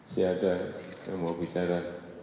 saya ada yang mau bicara